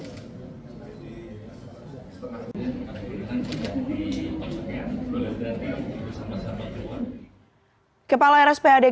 kepala rspad gatot subroto ledjen albertus budi sulistya menyebutkan bahwa materi pemeriksaan tim pemeriksaan rundown pemeriksaan akan sama untuk seluruh pasangan bakal capres dan cawapres